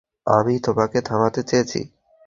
আমি তোমাকে থামাতে চেয়েছি।